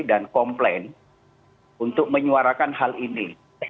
dan komplain untuk menyuarakan hal ini